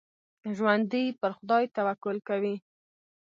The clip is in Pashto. ژوندي پر خدای توکل کوي